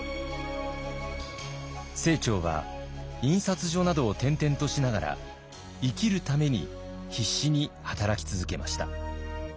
清張は印刷所などを転々としながら生きるために必死に働き続けました。